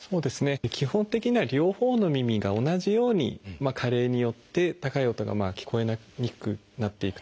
基本的には両方の耳が同じように加齢によって高い音が聞こえにくくなっていく。